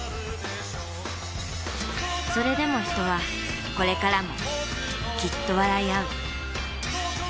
それでも人はこれからもきっと笑いあう。